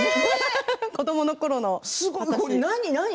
子どものころの。